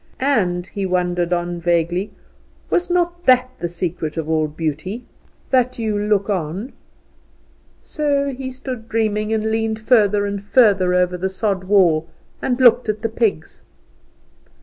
And, he wondered on vaguely, was not that the secret of all beauty, that you who look on So he stood dreaming, and leaned further and further over the sod wall, and looked at the pigs.